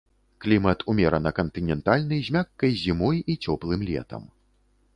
Клімат умерана кантынентальны з мяккай зімой і цёплым летам.